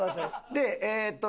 でえっと